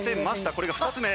これが２つ目。